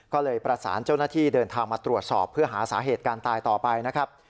ก็เลยประสานเจ้าหน้าที่เดินทางมาตรวจสอบเพื่อหาสาเหตุการตายต่อไปนะครับ